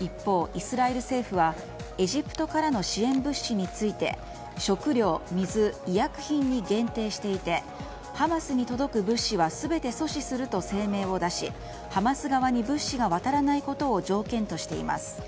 一方、イスラエル政府はエジプトからの支援物資について食料、水、医薬品に限定していてハマスに届く物資は全て阻止すると声明を出しハマス側に物資が渡らないことを条件としています。